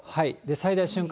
最大瞬間